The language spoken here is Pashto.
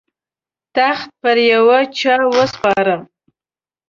تخت پر یوه چا وسپاره.